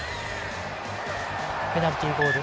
ペナルティゴール。